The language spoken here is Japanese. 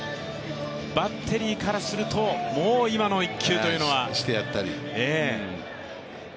バッテリーからするともう今の一球というのは？してやったり。